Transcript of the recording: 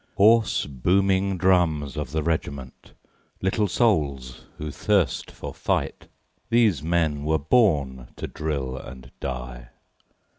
Hoarse, booming drums of the regiment, Little souls who thirst for fight, These men were born to drill and die.